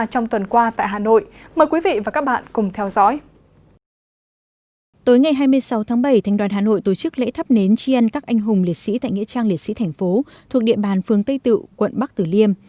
hôm nay sáu tháng bảy thành đoàn hà nội tổ chức lễ thắp nến chiên các anh hùng liệt sĩ tại nghĩa trang liệt sĩ thành phố thuộc địa bàn phương tây tựu quận bắc tử liêm